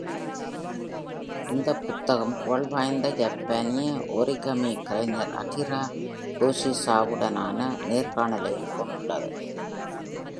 இந்தப் புத்தகம், புகழ் வாய்ந்த ஜப்பானிய ஓரிகமி கலைஞர் அகிரா யோஷிசாவாவுடனான நேர்காணலையும் கொண்டுள்ளது.